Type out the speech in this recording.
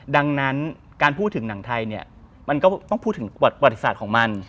ดังนั้นการพูดถึงหนังไทยเนี่ยมันก็ต้องพูดถึงประวัติศาสตร์ของมัน